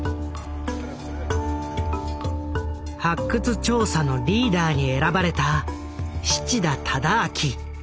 発掘調査のリーダーに選ばれた七田忠昭。